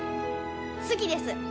好きです。